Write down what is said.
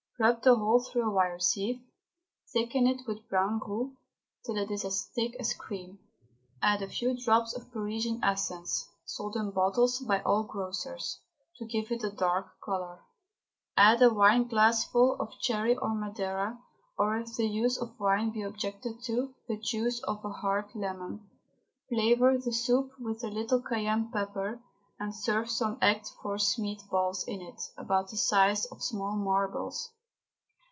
Rub the whole through a wire sieve, thicken it with brown roux till it is as thick as cream; add a few drops of Parisian essence (sold in bottles by all grocers) to give it a dark colour. Add a wineglassful of sherry or Madeira, or, if the use of wine be objected to, the juice of a hard lemon. Flavour the soup with a little cayenne pepper, and serve some egg forcemeat balls in it, about the size of small marbles.